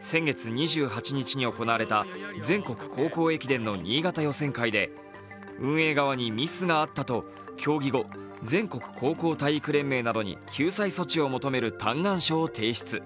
先月２８日に行われた全国高校駅伝の新潟予選会で運営側にミスがあったと競技後、全国高校体育連盟などに救済措置を求める嘆願書を提出。